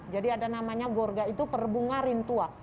jadi ada namanya gorga itu perbunga rintua